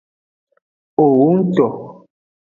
Owongto.